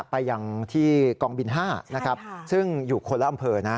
ไปยังที่กองบิน๕ซึ่งอยู่คนละอำเภอนะ